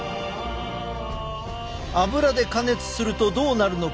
油で加熱するとどうなるのか？